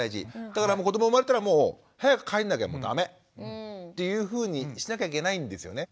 だから子ども生まれたらもう早く帰んなきゃ駄目というふうにしなきゃいけないんですよね。